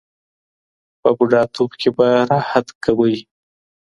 په بوډاتوب کې به راحت کوئ.